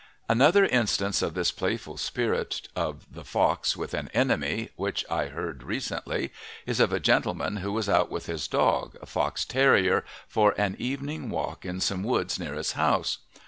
Another instance of this playful spirit of the fox with an enemy, which I heard recently, is of a gentleman who was out with his dog, a fox terrier, for an evening walk in some woods near his house.